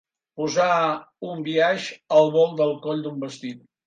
Posar un biaix al volt del coll d'un vestit.